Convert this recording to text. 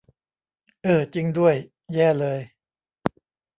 เอ้อ จริงด้วย แย่เลย